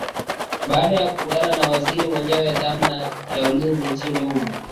baada ya kukutana na waziri mwenye dhamana ya ulinzi nchini humo